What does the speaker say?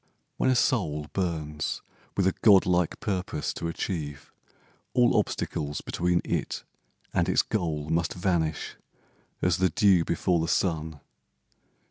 When a soul Burns with a god like purpose to achieve, All obstacles between it and its goal Must vanish as the dew before the sun.